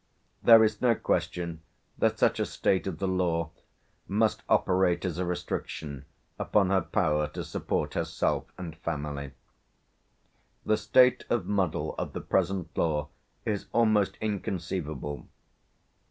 There is no question that such a state of the law must operate as a restriction upon her power to support herself and family. "The state of muddle of the present law is almost inconceivable.